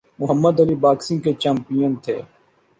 محمد Ali boxing کے champion تھے۔